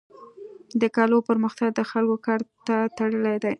د کلو پرمختګ د خلکو کار ته تړلی دی.